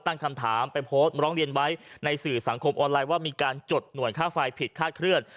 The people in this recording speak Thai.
ตั้งคำถามไปโพสต์ร้องเรียนไว้ในสื่อสังคมออนไลน์ว่ามีการจดหน่วยค่าไฟผิดคาดเคลื่อน